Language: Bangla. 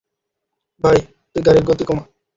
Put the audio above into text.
ভাই, তুই গাড়ির গতি কমা!